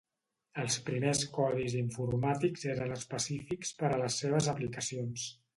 Els primers codis informàtics eren específics per a les seves aplicacions.